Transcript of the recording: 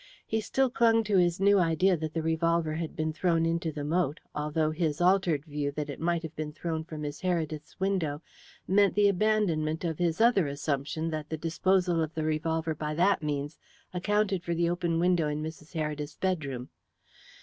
He still clung to his new idea that the revolver had been thrown into the moat, although his altered view that it might have been thrown from Miss Heredith's window meant the abandonment of his other assumption that the disposal of the revolver by that means accounted for the open window in Mrs. Heredith's bedroom.